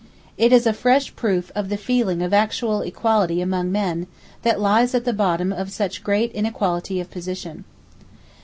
It is a fresh proof of the feeling of actual equality among men that lies at the bottom of such great inequality of position.